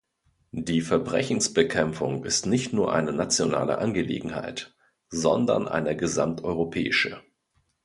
Die Verbrechensbekämpfung ist nicht nur eine nationale Angelegenheit, sondern eine gesamteuropäische.